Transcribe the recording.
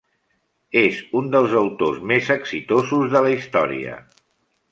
És un dels autors més exitosos de la història.